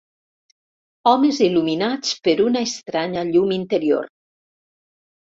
Homes il·luminats per una estranya llum interior.